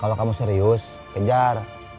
kalau kamu serius kejar